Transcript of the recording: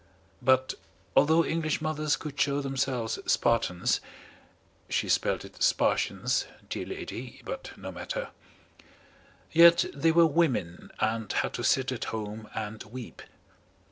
But, although English mothers could show themselves Spartans (she spelt it "Spartians," dear lady, but no matter) yet they were women and had to sit at home and weep.